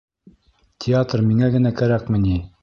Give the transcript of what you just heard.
Театр миңә генә кәрәкме ни?